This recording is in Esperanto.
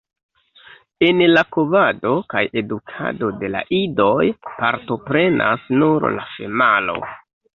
En la kovado kaj edukado de la idoj partoprenas nur la femalo.